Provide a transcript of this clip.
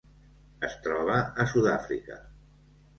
Es troba a Sud-àfrica.